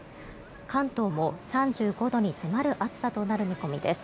関東も３５度に迫る暑さとなる見込みです。